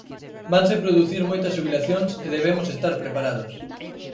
Vanse producir moitas xubilacións e debemos estar preparados.